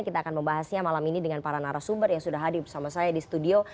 kita akan membahasnya malam ini dengan para narasumber yang sudah hadir bersama saya di studio